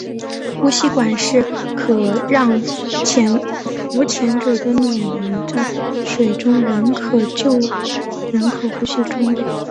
呼吸管是可让浮潜者的脸留在水中仍可呼吸的装备。